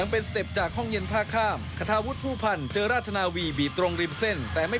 โปรดติดตามตอนต่อไป